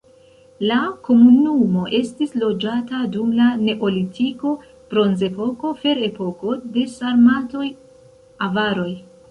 La komunumo estis loĝata dum la neolitiko, bronzepoko, ferepoko, de sarmatoj, avaroj.